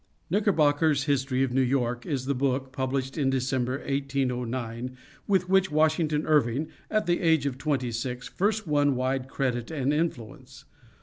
KNICKERBOCKER'S HISTORY OF NEW YORK is the book, published in December, 1809, with which Washington Irving, at the age of twenty six, first won wide credit and influence.